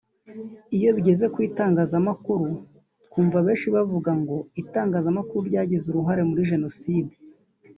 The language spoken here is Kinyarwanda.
Iyo bigeze ku itangazamakuru twumva benshi bavuga ngo itangazamakuru ryagize uruhare muri Jenoside